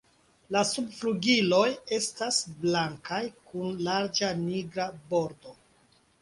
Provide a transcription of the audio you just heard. La subflugiloj estas blankaj kun larĝa nigra bordo.